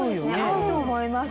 合うと思います。